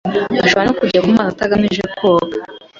ashobora kujya nko ku mazi atagamije koga